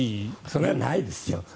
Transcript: それはないですよ。